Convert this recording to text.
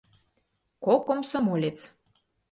Кок комсомолец.